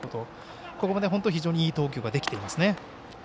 ここまで非常にいい投球ができていますね。